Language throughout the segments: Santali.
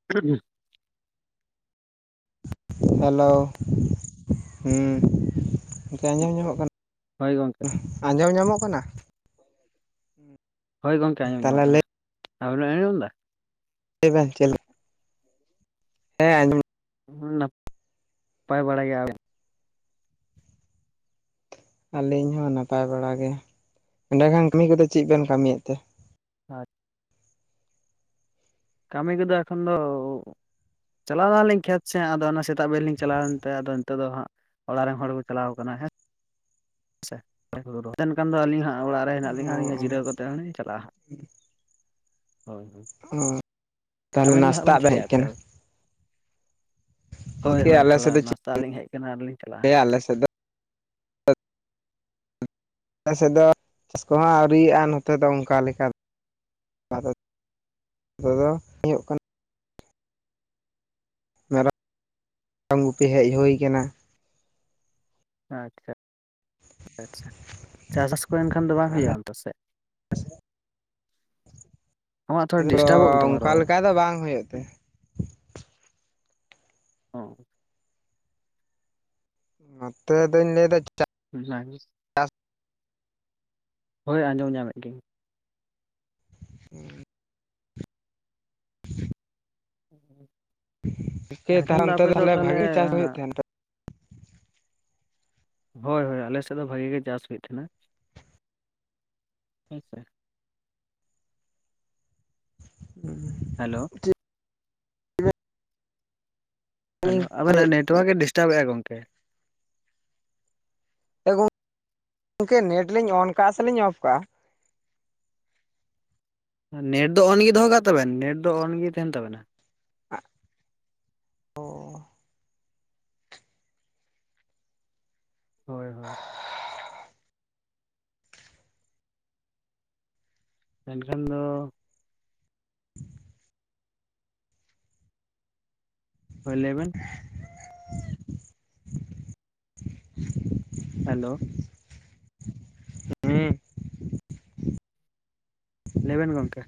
[unintelligible] ᱦᱮᱞᱳ ᱦᱮᱸ ᱟᱸᱡᱚᱢ ᱧᱟᱢᱚᱜ ᱠᱟᱱᱟ᱾ ᱦᱳᱭ ᱜᱚᱝᱠᱮ ᱟᱸᱡᱚᱢ ᱧᱟᱢᱚᱜ ᱠᱟᱱᱟ? ᱦᱳᱭ ᱜᱚᱝᱠᱮ ᱟᱸᱡᱚᱢ ᱛᱟᱦᱚᱞᱮ ᱧᱟᱢᱚᱜ ᱠᱟᱱᱟ ᱾ ᱟᱵᱮᱱ ᱵᱮᱱ ᱟᱸᱡᱚᱢ ᱫᱟ? ᱞᱟ. ᱭ ᱵᱮᱱ ᱪᱮᱫ ᱦᱮᱸ ᱟᱡᱚᱢ ᱱᱟᱯ ᱱᱟᱯᱟᱭ ᱵᱟᱲᱟᱭ ᱜᱮᱭᱟ ᱵᱮᱱ᱾ ᱟᱹᱞᱤᱧ ᱦᱚᱸ ᱱᱟᱯᱟᱭ ᱵᱟᱲᱟ ᱜᱮ᱾ ᱮᱸᱰᱮ ᱠᱷᱟᱱ ᱠᱟᱹᱢᱤ ᱠᱚᱫᱚ ᱪᱮᱫ ᱵᱮᱱ ᱠᱟᱹᱢᱤᱭᱮᱫ ᱛᱮ? [unintelligible] ᱠᱟᱹᱢᱤ ᱠᱚᱫᱚ ᱮᱠᱷᱚᱱ ᱫᱚ ᱪᱟᱞᱟᱣ ᱱᱟᱞᱤᱧ ᱠᱷᱮᱛ ᱥᱮᱫ ᱟᱫᱚ ᱚᱱᱟ ᱥᱮᱛᱟᱜ ᱵᱮᱨ ᱞᱤᱧ ᱪᱟᱞᱟᱣ ᱮᱱᱛᱮ ᱟᱫᱚ ᱱᱤᱛᱚᱜ ᱫᱚ ᱦᱟᱸᱜ ᱚᱲᱟᱜ ᱨᱮᱱ ᱦᱚᱲ ᱠᱚ ᱪᱟᱞᱟᱣ ᱠᱟᱱᱟ ᱦᱮᱸ᱾ ᱦᱮᱸ ᱥᱮ ᱢᱮᱱᱠᱷᱟᱱ ᱫᱚ ᱟᱹᱞᱤ ᱦᱟᱸᱜ ᱚᱲᱟᱜ ᱨᱮ ᱦᱮᱱᱟᱜ ᱚ ᱞᱤᱧᱟᱹ ᱡᱤᱨᱟᱹᱣ ᱠᱟᱛᱮ ᱦᱟᱸᱜ ᱞᱤᱧ ᱪᱟᱞᱟᱜ-ᱟ᱾ ᱚ ᱛᱟᱦᱚᱞᱮ ᱟᱵᱮᱱ ᱫᱚ ᱦᱟᱸᱜ ᱱᱟᱥᱛᱟᱜ ᱵᱮᱱ ᱪᱤᱠᱟᱹᱭᱟ ᱦᱮᱡ ᱮᱱᱛᱮ ᱠᱟᱱᱟ ᱾ ᱦᱳᱭ ᱠᱤ ᱦᱳᱭ ᱟᱞᱮ ᱥᱮᱫ ᱛᱷᱚᱲᱟ ᱫᱚ ᱪᱮᱫ ᱱᱟᱥᱛᱟ ᱞᱤᱧ ᱦᱮᱡ ᱠᱟᱱᱟ ᱟᱨ ᱞᱤᱧ ᱪᱟᱞᱟᱜ-ᱟ᱾ ᱞᱟᱹᱭᱟ ᱟᱞᱮ ᱥᱮᱫ ᱫᱚ ᱟᱞᱮ ᱥᱮᱫ ᱫᱚ ᱪᱟᱥ ᱠᱚᱦᱚᱸ ᱟᱹᱣᱨᱤᱭᱟ-ᱟ ᱱᱚᱛᱮ ᱫᱚ ᱚᱱᱠᱟ ᱞᱮᱠᱟ ᱫᱚ᱾ ᱱᱚᱛᱮ ᱫᱚ ᱦᱳᱭᱩᱜ ᱠᱟᱱᱟ᱾ ᱢᱮᱨᱚᱢ ᱢᱮᱨᱟᱝ ᱜᱩᱯᱤ ᱦᱮᱡ ᱦᱳᱭ ᱠᱟᱱᱟ᱾ ᱟᱪᱪᱷᱟ᱾ ᱟᱪᱪᱷᱟ ᱪᱟᱥᱟᱥ ᱠᱚ ᱮᱱᱠᱷᱟᱱ ᱫᱚ ᱵᱟᱝ ᱟᱞᱮ ᱦᱳᱭᱳᱜ-ᱟ ᱚᱱᱛᱮ ᱥᱮᱫ ᱟᱢᱟᱜ ᱛᱷᱚᱲᱟ ᱟᱫᱚ ᱰᱤᱥᱴᱟᱵᱚᱜ ᱠᱟᱱ ᱛᱟᱢᱟ ᱚᱱᱠᱟ ᱨᱚᱲ ᱞᱮᱠᱟ ᱫᱚ ᱵᱟᱝ ᱦᱳᱭᱳᱜ ᱛᱮ [unintelligible] ᱱᱚᱛᱮ ᱫᱩᱧ ᱞᱟᱹᱭ ᱫᱟ ᱪᱟ [unintelligible] ᱦᱳᱭ ᱟᱸᱡᱚᱢ ᱧᱟᱢᱮᱫ ᱜᱤᱭᱟᱹᱧ [unintelligible] ᱮᱱᱠᱷᱟᱱ ᱛᱟᱦᱚᱞᱮ ᱫᱚ ᱚᱱᱛᱮ ᱟᱯᱮ ᱫᱚ ᱛᱟᱦᱚᱞᱮ ᱛᱟᱞᱦᱮ ᱵᱷᱟᱜᱮ ᱪᱟᱥ ᱦᱩᱭᱩᱜ ᱛᱟᱦᱮᱱ ᱦᱳᱭ ᱦᱳᱭ ᱟᱞᱮ ᱥᱮᱫ ᱫᱚ ᱵᱷᱟᱜᱤ ᱜᱮ ᱪᱟᱥ ᱦᱳᱭᱳᱜ ᱛᱟᱦᱮ ᱱᱟ ᱦᱮᱸᱥᱮ᱾ [unintelligible] ᱦᱮᱞᱳ᱾ ᱦᱮᱞᱳ ᱟᱵᱮᱱᱟᱜ ᱱᱮᱴᱚᱣᱟᱨᱠ ᱮ ᱰᱤᱥᱴᱟᱵᱮᱫᱼᱟ ᱜᱚᱝᱠᱮ᱾ ᱮ ᱜᱚᱝ-ᱜᱚᱝᱠᱮ ᱱᱮᱴ ᱞᱤᱧ ᱚᱱ ᱠᱟᱜᱼᱟ ᱥᱮᱞᱤᱧ ᱚᱯᱷ ᱠᱟᱜᱼᱟ? ᱱᱮᱴ ᱫᱚ ᱚᱱ ᱜᱮ ᱫᱚᱦᱚ ᱠᱟᱜ ᱛᱟᱵᱮᱱ ᱱᱮᱴ ᱫᱚ ᱚᱱ ᱜᱮ ᱛᱟᱦᱮᱱ ᱛᱟᱵᱮᱱᱟ᱾ [unintelligible] ᱦᱳᱭ, ᱦᱳᱭ᱾ ᱢᱮᱱ ᱠᱷᱟᱱ ᱫᱚ ᱦᱳᱭ ᱞᱟᱹᱭ ᱵᱮᱱ᱾ ᱦᱮᱞᱳ᱾ [inaudible] ᱞᱟ. ᱭ ᱵᱮᱱ ᱜᱚᱝᱠᱮ᱾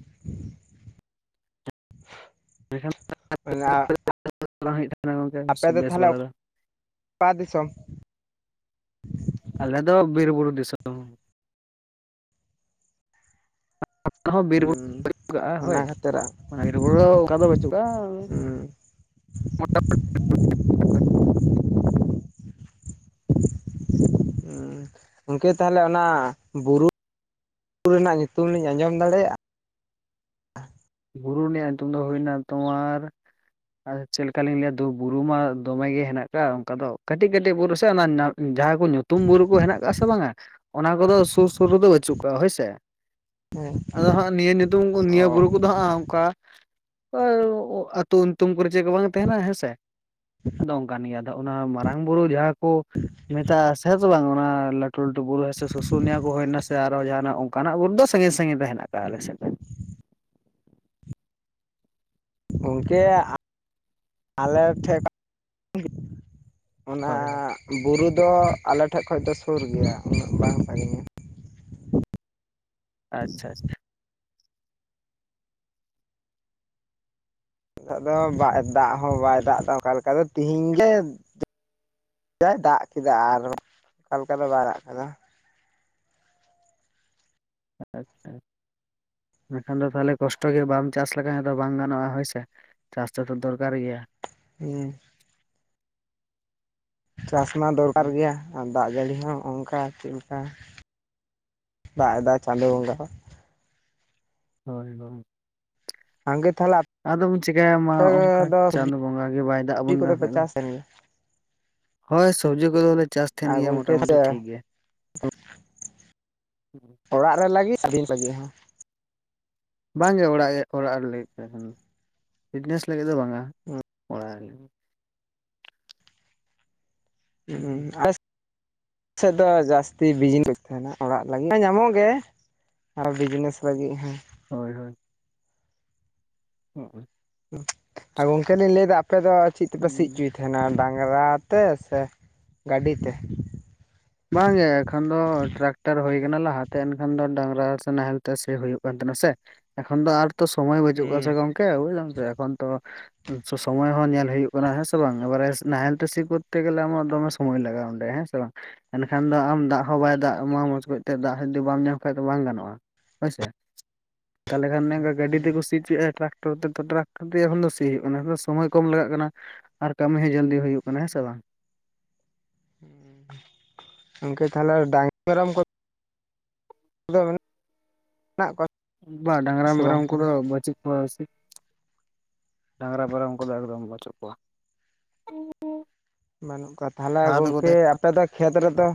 ᱮᱱᱠᱷᱟᱱ [unintelligible] ᱵᱟᱝ ᱦᱳᱭᱳᱜ ᱠᱟᱱᱟ ᱜᱚᱝᱠᱮ ᱟᱯᱮ ᱵᱮᱥ ᱛᱟᱦᱚᱞᱮ ᱵᱟᱲᱟ ᱫᱚ ᱾ [unintelligible] ᱫᱤᱥᱚᱢ᱾ ᱟᱞᱮ ᱫᱚ ᱵᱤᱨ ᱵᱩᱨᱩ ᱫᱤᱥᱚᱢ᱾ ᱦᱚᱸ ᱵᱤᱨ ᱵᱩᱨᱩ [unintelligible] ᱚᱱᱟ ᱦᱳᱭ ᱠᱷᱟᱹᱛᱤᱨᱟᱜ ᱵᱤᱨ ᱵᱩᱨᱩ ᱨᱮ ᱚᱠᱟ ᱫᱚ ᱦᱩᱸ [unintelligible] ᱜᱚᱢᱠᱮ ᱛᱟᱦᱚᱞᱮ ᱚᱱᱟ ᱵᱩᱨᱩ ᱨᱮᱱᱟᱜ ᱧᱩᱛᱩᱢ ᱞᱤᱧ ᱟᱸᱡᱚᱢ ᱫᱟᱲᱮᱭᱟᱜᱼᱟ᱾ ᱵᱩᱨᱩ ᱨᱮᱱᱟᱜ ᱧᱩᱛᱩᱢ ᱫᱚ ᱦᱩᱭᱱᱟ ᱛᱳᱢᱟᱨ ᱟᱨ ᱪᱮᱫ ᱞᱮᱠᱟ ᱞᱤᱧ ᱞᱟᱹᱭᱟ ᱵᱩᱨᱩ ᱢᱟ ᱫᱚᱢᱮᱜ ᱜᱮ ᱦᱮᱱᱟᱜ ᱟᱠᱟᱫ ᱚᱱᱠᱟ ᱫᱚ ᱠᱟᱹᱴᱤᱡ ᱠᱟᱹᱴᱤᱡ ᱵᱩᱨᱩ ᱥᱮ ᱚᱱᱟ ᱡᱟᱦᱟᱸ [unintelligible] ᱛᱩᱢ ᱵᱩᱨᱩ ᱠᱚ ᱦᱮᱱᱟᱜ ᱟᱠᱟᱜ ᱥᱮ ᱵᱟᱝᱟ ᱚᱱᱟ ᱠᱚᱫᱚ ᱥᱩᱨ ᱥᱩᱨ ᱨᱮᱫᱚ ᱵᱟᱹᱪᱩᱜ ᱠᱚᱣᱟ ᱦᱳᱭ ᱥᱮ᱾ ᱦᱮᱸ ᱟᱫᱚ ᱦᱟᱸᱜ ᱱᱤᱭᱟᱹ ᱧᱩᱛᱩᱢ ᱱᱤᱭᱟᱹ ᱚ ᱵᱩᱨᱩ ᱠᱚᱫᱚ ᱚᱱᱠᱟ ᱟᱹᱛᱩ ᱧᱩᱛᱩᱢ ᱠᱚᱨᱮ ᱪᱮᱫ ᱠᱚ ᱵᱟᱝ ᱛᱟᱦᱮᱱᱟ ᱦᱮᱸ ᱥᱮ᱾ ᱟᱫᱚ ᱚᱱᱠᱟᱱ ᱜᱮᱭᱟ ᱟᱫᱚ ᱚᱱᱟ ᱢᱟᱨᱟᱝ ᱵᱩᱨᱩ ᱡᱟᱦᱟᱸ ᱠᱚ ᱢᱮᱛᱟᱜᱼᱟ ᱥᱮ ᱵᱟᱝ ᱚᱱᱟ ᱞᱟᱹᱴᱩ ᱞᱟᱹᱴᱩᱵᱩᱨ ᱥᱮ ᱥᱩᱥᱩᱱᱤᱭᱟᱹ ᱠᱚ ᱦᱩᱭᱮᱱᱟ ᱥᱮ ᱟᱨᱚ ᱡᱟᱦᱱᱟᱜ ᱚᱠᱟᱱᱟᱜ ᱵᱩᱨᱩ ᱫᱚ ᱥᱟᱺᱜᱤᱧ ᱥᱟᱺᱜᱤᱧ ᱦᱮᱱᱟᱜ ᱟᱠᱟᱼᱟ ᱟᱞᱮ ᱥᱮᱫ ᱫᱚ᱾ ᱜᱚᱢᱠᱮ ᱟᱞᱮ ᱴᱷᱮᱱ [unintelligible] ᱚᱱᱟ ᱦᱳᱭ ᱦᱳᱭ ᱵᱩᱨᱩ ᱫᱚ ᱟᱞᱮ ᱴᱷᱮᱡ ᱠᱷᱚᱱᱚᱡ ᱫᱚ ᱥᱩᱨ ᱜᱮᱭᱟ ᱩᱱᱟᱹᱜ ᱵᱟᱝ ᱥᱟᱺᱜᱤᱧᱟ᱾ ᱟᱪᱪᱷᱟ, ᱟᱪᱪᱷᱟ᱾ ᱫᱟᱜ ᱦᱚᱸ ᱵᱟᱭ ᱫᱟᱜ ᱮᱫᱟ ᱚᱱᱠᱟ ᱞᱮᱠᱟ ᱫᱚ ᱛᱮᱦᱤᱧ ᱜᱮ ᱡᱟᱭ ᱫᱟᱜ ᱠᱮᱫᱟ ᱟᱨ ᱚᱠᱟ ᱞᱮᱠᱟ ᱫᱚ ᱵᱟᱭ ᱨᱟᱜ ᱠᱟᱫᱟ᱾ ᱟᱪᱪᱷᱟ ᱢᱮᱱᱠᱷᱟᱱ ᱫᱚ ᱛᱟᱦᱚᱞᱮ ᱠᱚᱥᱴᱚ ᱜᱮ ᱵᱟᱢ ᱪᱟᱥ ᱞᱮᱠᱷᱟᱡ ᱫᱚ ᱵᱟᱝ ᱜᱟᱱᱚᱜᱼᱟ ᱦᱳᱭ ᱥᱮ᱾ ᱪᱟᱥ ᱫᱚ ᱫᱚᱨᱠᱟᱨ ᱜᱮᱭᱟ᱾ ᱩᱸ᱾ ᱪᱟᱥ ᱢᱟ ᱫᱚᱨᱠᱟᱨ ᱜᱮᱭᱟ ᱟ ᱫᱟᱜ ᱡᱟᱹᱲᱤ ᱦᱚᱸ ᱚᱱᱠᱟ ᱪᱮᱫ ᱞᱮᱠᱟ ᱫᱟᱜ ᱮᱫᱟ ᱪᱟᱸᱫᱳ ᱵᱚᱸᱜᱟ ᱦᱚᱸ᱾ ᱦᱳᱭ ᱵᱟᱝ᱾ ᱥᱟᱜᱮ ᱛᱟᱦᱞᱮ ᱟᱫᱚ ᱵᱚᱱ ᱪᱤᱠᱟᱭᱟ ᱢᱟ ᱚᱱᱠᱟ ᱪᱟᱸᱫ ᱵᱚᱸᱜᱟ ᱜᱮ ᱵᱟᱭ ᱫᱟᱜ ᱟᱵᱚᱱ ᱠᱚᱫᱚ ᱠᱟᱱ ᱯᱮ ᱛᱟᱦᱮᱸ ᱫᱚ᱾ ᱪᱟᱥᱮᱱ ᱜᱮᱭᱟ ᱦᱳᱭ ᱥᱚᱵᱡᱤ ᱠᱚᱫᱚᱞᱮ ᱪᱟᱥ ᱛᱟᱦᱮᱱ ᱟᱨ ᱜᱮᱭᱟ ᱜᱚᱝᱠᱮ ᱢᱚᱴᱟᱢᱩᱴᱤ ᱴᱷᱤᱠ ᱜᱮ᱾ ᱚᱲᱟᱜ ᱨᱮ ᱞᱟᱹᱜᱤᱫ [unintelligible] ᱦᱚ ᱵᱟᱝ ᱜᱮ ᱚᱲᱟᱜ-ᱚᱲᱟᱜ ᱨᱮ ᱞᱟᱹᱜᱤᱫ ᱛᱮ ᱮᱠᱷ ᱯᱷᱤᱴᱱᱮᱥ ᱞᱟᱹᱜᱤᱫ ᱫᱚ ᱵᱟᱝᱟ ᱚᱲᱟᱜ ᱨᱮ ᱞᱟᱹᱜᱤᱫ᱾ ᱩ-ᱩ ᱞᱟᱹᱜᱤᱫ ᱟᱨ ᱟ ᱥᱮᱫ ᱫᱚ ᱡᱟᱹᱥᱛᱤ ᱵᱤᱡᱱᱮᱥ ᱛᱟᱦᱮᱱᱟ ᱚᱲᱟᱜ ᱞᱟᱹᱜᱤᱫ ᱢᱟ ᱧᱟᱢᱚᱜ ᱜᱮ᱾ ᱟᱨ ᱵᱤᱡᱽᱱᱮᱥ ᱞᱟᱹᱜᱤᱫᱟᱹᱜᱤ ᱦᱮᱸ᱾ ᱦᱳᱭ, ᱦᱳᱭ᱾ ᱦᱚ ᱟᱨ ᱜᱚᱝᱠᱮ ᱞᱤᱧ ᱞᱟᱹᱭᱮᱫᱟ ᱟᱯᱮ ᱫᱚ ᱪᱮᱫ ᱛᱮᱯᱮ ᱥᱤ ᱦᱩᱸ ᱚᱪᱚᱭᱮᱫᱟ? ᱛᱟᱦᱮᱱᱟ ᱰᱟᱝᱨᱟ ᱛᱮ ᱥᱮ ᱜᱟᱹᱰᱤ ᱛᱮ? ᱵᱟᱝ ᱜᱮ ᱮᱠᱷᱚᱱ ᱫᱚ ᱴᱨᱟᱠᱴᱟᱨ ᱦᱩᱭ ᱟᱠᱟᱱᱟ ᱞᱟᱦᱟᱛᱮ ᱮᱱᱠᱷᱟᱱ ᱫᱚ ᱰᱟᱝᱨᱟ ᱥᱮ ᱱᱟᱦᱮᱞ ᱛᱮ ᱥᱮ ᱦᱩᱭᱩᱜ ᱠᱟᱱ ᱛᱟᱦᱮᱱᱟ ᱥᱮ ᱾ ᱮᱠᱷᱚᱱ ᱫᱚ ᱟᱨ ᱛᱚ ᱥᱚᱢᱚᱭ ᱵᱟᱹᱡᱩᱜ ᱠᱟᱫᱟ ᱦᱩᱸ ᱥᱮ ᱜᱚᱝᱠᱮ ᱵᱩᱡᱫᱟᱢ ᱛᱚ ᱮᱠᱷᱚᱱ ᱛᱚ ᱥᱚᱢᱚᱭ ᱦᱚᱸ ᱧᱮᱞ ᱦᱩᱭᱩᱜ ᱠᱟᱱᱟ ᱦᱮᱸ ᱥᱮ ᱵᱟᱝ ᱮᱵᱟᱨᱮ ᱱᱟᱦᱮᱞ ᱛᱮ ᱥᱤ ᱠᱚᱛᱛᱮ ᱜᱮᱞᱮ ᱟᱢᱟᱜ ᱫᱚᱢᱮ ᱥᱚᱢᱚᱭ ᱞᱟᱜᱟᱜᱼᱟ ᱚᱸᱰᱮ ᱦᱮᱸ ᱥᱮ ᱵᱟᱝ? ᱮᱱᱠᱷᱟᱱ ᱫᱚ ᱟᱢ ᱫᱟᱜ ᱦᱚᱸ ᱵᱟᱭ ᱫᱟᱜ ᱟᱢᱟ ᱢᱚᱸᱡᱽ ᱠᱚᱡᱛᱮ ᱫᱟᱜ ᱦᱚ ᱡᱩᱫᱤ ᱵᱟᱢ ᱧᱟᱢ ᱠᱷᱟᱡ ᱫᱚ ᱵᱟᱝ ᱜᱟᱱᱚᱜᱼᱟ ᱦᱳᱭᱥᱮ ᱾ ᱛᱟᱦᱚᱞᱮ ᱠᱷᱟᱱ ᱱᱮᱝᱠᱟ ᱜᱟᱹᱰᱤ ᱛᱮᱜ ᱥᱤ ᱚᱪᱚᱭᱮᱜ-ᱟ ᱴᱨᱟᱠᱴᱚᱨ ᱛᱮ ᱛᱚ ᱴᱨᱟᱠᱴᱚᱨ ᱫᱤᱭᱮ ᱮᱠᱷᱚᱱ ᱫᱚ ᱥᱤ ᱦᱩᱭᱩᱜ ᱠᱟᱱᱟ᱾ ᱟᱫᱚ ᱥᱚᱢᱳᱚᱭ ᱠᱚᱢ ᱞᱟᱜᱟᱜ ᱠᱟᱱᱟ, ᱟᱨ ᱠᱟᱢᱤ ᱦᱚᱸ ᱡᱚᱞᱫᱤ ᱦᱩᱭᱩᱜ ᱠᱟᱱᱟ ᱦᱮᱸ ᱥᱮ ᱵᱟᱝ? ᱜᱚᱝᱠᱮ ᱛᱟᱦᱚᱞᱮ ᱰᱟᱝ ᱢᱮᱨᱚᱢ ᱠᱚ ᱫᱚ ᱵᱟ ᱰᱟᱝᱨᱟ ᱥᱮ ᱵᱟᱝ ᱢᱮᱨᱚᱢ ᱠᱚᱫᱚ ᱛᱟᱦᱚᱞᱮ ᱵᱟᱪᱩᱜ ᱠᱚᱣᱟ ᱵᱮᱥᱤ ᱾ ᱰᱟᱝᱨᱟ ᱢᱮᱨᱚᱢ ᱩᱱᱠᱚᱫᱚ ᱮᱠᱫᱚᱢ ᱵᱟᱪᱩᱜ ᱠᱚᱣᱟ ᱾ ᱵᱟᱹᱱᱩᱜ ᱠᱚᱣᱟ ᱛᱟᱦᱚᱞᱮ ᱛᱟᱦᱮᱸ ᱜᱚᱝᱠᱮ ᱟᱯᱮ ᱫᱚ ᱠᱷᱮᱛ ᱨᱮᱫᱚ